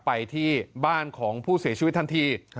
ไปที่บ้านของผู้เสียชีวิตทันที